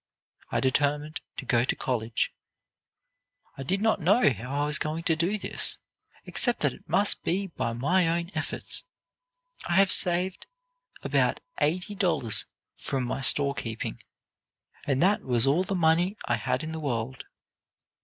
I determined to go to college. "I did not know how I was going to do this, except that it must be by my own efforts. I had saved about eighty dollars from my store keeping, and that was all the money I had in the world.